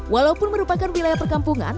walaupun merupakan wilayah perkampungan